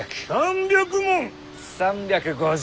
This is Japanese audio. ３５０。